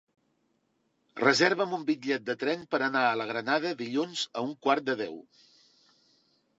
Reserva'm un bitllet de tren per anar a la Granada dilluns a un quart de deu.